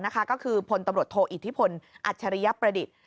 ก็คือพลตำรวจโทอิทธิพลอัจฉริยประดิษฐ์